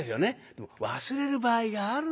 でも忘れる場合があるんですよ。